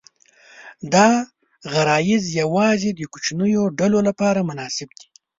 دا غرایز یواځې د کوچنیو ډلو لپاره مناسب دي.